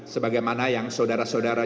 sebagaimana yang saudara saudara